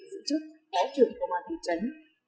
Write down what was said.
giữ chức bó trưởng công an thủy chấn